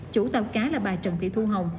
chủ tàu cá là bà trần thị thu hồng